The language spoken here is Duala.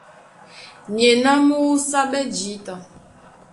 Nyéná mú óúsáɓɛ́ jǐta.